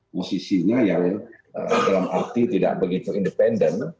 posisinya yang dalam arti tidak begitu independen